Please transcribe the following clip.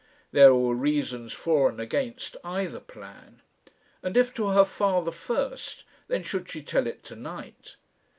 There were reasons for and against either plan. And if to her father first, then should she tell it to night?